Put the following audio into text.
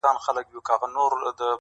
o خورک په خپله خوښه، کالي د بل په خوښه.